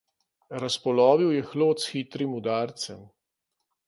Razpolovil je hlod s hitrim udarcem.